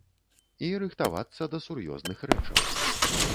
І рыхтавацца да сур'ёзных рэчаў.